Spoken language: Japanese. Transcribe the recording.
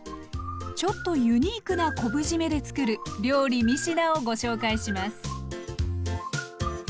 ちょっとユニークな昆布じめでつくる料理三品をご紹介します。